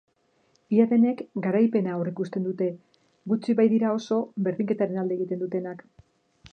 Ia denek garaipena aurreikusten dute, gutxi baitira oso berdinketaren alde egiten dutenak.